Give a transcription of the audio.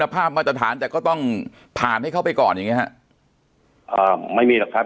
ภาพมาตรฐานแต่ก็ต้องผ่านให้เข้าไปก่อนอย่างเงี้ฮะอ่าไม่มีหรอกครับ